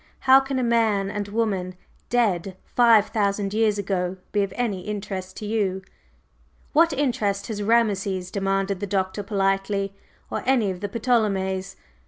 "How can a man and woman dead five thousand years ago be of any interest to you?" "What interest has Rameses?" demanded the Doctor politely, "or any of the Ptolemies?